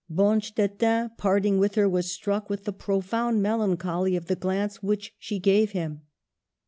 Bonstetten, parting with her, was struck with the profound melancholy of the glance which she gave him.